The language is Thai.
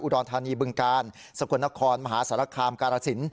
อุดรธานีบึงการสะกวนนครมหาศาลคามการสิน